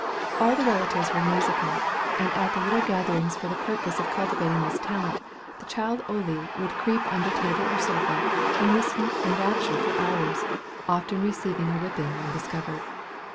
All the relatives were musical, and at the little gatherings for the purpose of cultivating this talent, the child Ole would creep under table or sofa, and listen enraptured for hours, often receiving a whipping when discovered.